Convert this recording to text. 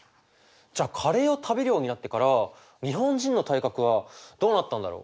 じゃあカレーを食べるようになってから日本人の体格はどうなったんだろう？